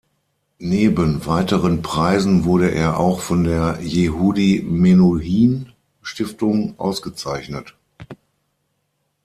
Neben weiteren Preisen wurde er auch von der Yehudi Menuhin Stiftung ausgezeichnet.